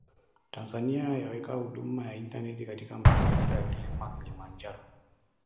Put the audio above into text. Tanzania yaweka huduma ya intaneti katika miteremko ya Mlima Kilimanjaro